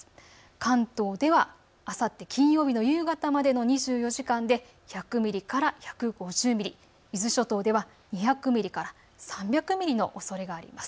関東では、あさって金曜日の夕方までの２４時間で１００ミリから１５０ミリ、伊豆諸島では２００ミリから３００ミリのおそれがあります。